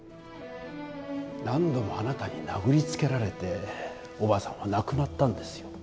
何度もあなたに殴りつけられておばあさんは亡くなったんですよ。